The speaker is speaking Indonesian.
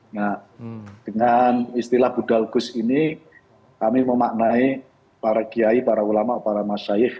nah dengan istilah budal gus ini kami memaknai para kiai para ulama para masyaif